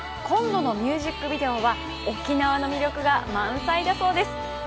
今度のミュージックビデオは沖縄の魅力が満載だそうです。